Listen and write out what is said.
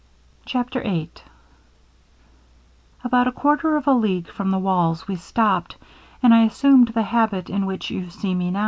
CHAPTER VIII 'About a quarter of a league from the walls we stopped, and I assumed the habit in which you now see me.